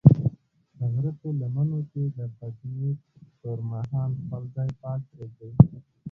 د غره په لمنو کې د پکنیک پر مهال خپل ځای پاک پرېږدئ.